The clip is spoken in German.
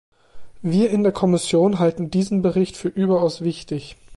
Wir in der Kommission halten diesen Bericht für überaus wichtig.